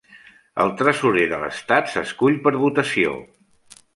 El tresorer de l'estat s'escull per votació.